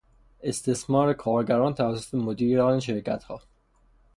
استثمار کارگران توسط مدیران شرکت ها